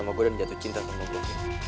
tergila gila sama gue dan jatuh cinta sama gue